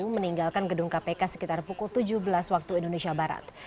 meninggalkan gedung kpk sekitar pukul tujuh belas waktu indonesia barat